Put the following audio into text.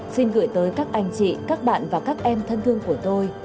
xin gửi tới các anh chị các bạn và các em thân thương của tôi